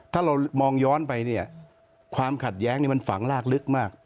ถ้าเรามองย้อนไปเนี่ยความขัดแย้งมันฝังลากลึกมาก